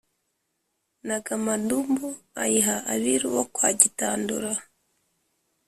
nagamadumbu ayiha abiru bo kwa gitandura